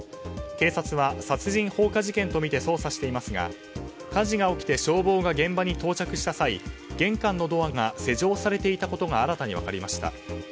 警察は、殺人放火事件とみて捜査していますが火事が起きて消防が現場に到着した際玄関のドアが施錠されていたことが新たに分かりました。